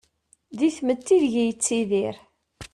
Di tmetti ideg-i yettidir.